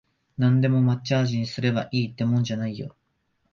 なんでも抹茶味にすればいいってもんじゃないよ